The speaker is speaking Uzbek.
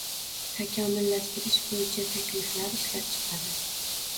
takomillashtirish bo‘yicha takliflar ishlab chiqadi;